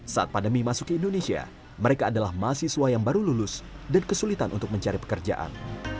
saat pandemi masuk ke indonesia mereka adalah mahasiswa yang baru lulus dan kesulitan untuk mencari pekerjaan